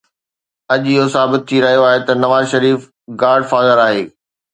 اڄ اهو ثابت ٿي رهيو آهي ته نواز شريف گاڊ فادر آهي.